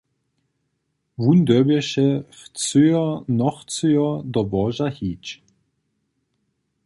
Wón dyrbješe chcyjo nochcyjo do łoža hić.